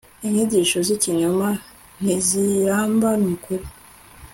inyigisho zikinyoma ntiziramba nukuri